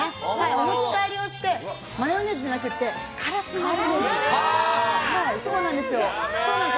お持ち帰りをしてマヨネーズじゃなくてからしマヨネーズで。